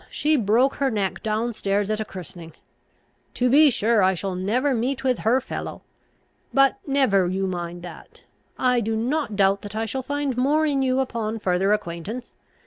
she broke her neck down stairs at a christening. To be sure I shall never meet with her fellow! But never you mind that; I do not doubt that I shall find more in you upon further acquaintance.